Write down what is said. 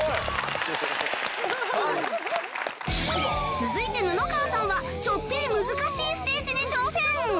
続いて布川さんはちょっぴり難しいステージに挑戦